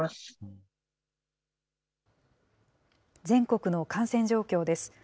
全国の感染状況です。